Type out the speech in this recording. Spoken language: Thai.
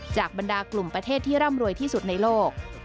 บรรดากลุ่มประเทศที่ร่ำรวยที่สุดในโลก